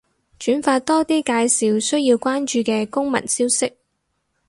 轉發多啲介紹需要關注嘅公民消息